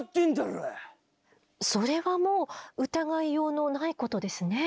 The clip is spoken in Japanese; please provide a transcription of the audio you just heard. それはもう疑いようのないことですね。